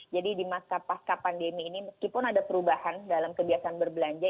jadi di masa pasca pandemi ini meskipun ada perubahan dalam kebiasaan berbelanja